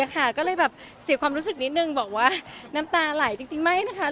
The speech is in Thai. ก็เลยแบบเสียความรู้สึกนิดนึงบอกว่าน้ำตาไหลจริงไม่นะคะ